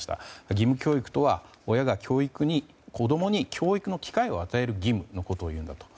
義務教育とは親が子供に教育を与える場のことをいうんだと。